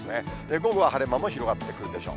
午後は晴れ間も広がってくるでしょう。